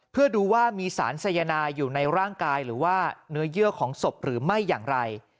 เพื่อดูว่ามีสารสายนายอยู่ในร่างกายหรือว่าเนื้อเยื่อของศพหรือไม่อย่างไร